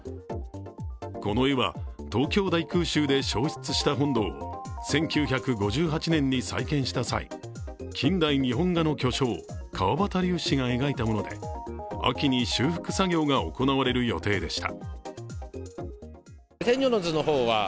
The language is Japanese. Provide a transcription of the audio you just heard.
この絵は東京大空襲で焼失した本堂を、１９５８年に再建した際、近代日本画の巨匠、川端龍子が描いたもので秋に修復作業が行われる予定でした。